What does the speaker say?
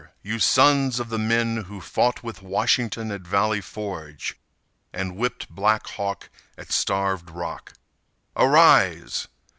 You sons of the men Who fought with Washington at Valley Forge, And whipped Black Hawk at Starved Rock, Arise!